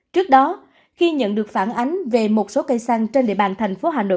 trước đó khi nhận được phản ánh về một số cây xăng trên địa bàn thành phố hà nội